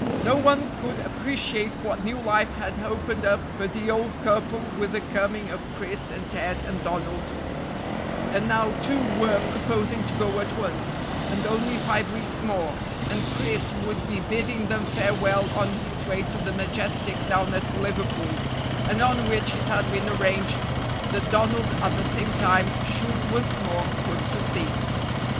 No one could appreciate what new life had opened up for the old couple with the coming of Chris and Ted and Donald, and now two were proposing to go at once, and only five weeks more, and Chris would be bidding them farewell on his way to the Majestic down at Liverpool, and on which it had been arranged that Donald at the same time should once more put to sea.